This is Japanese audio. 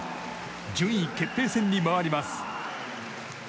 順位決定戦に回ります。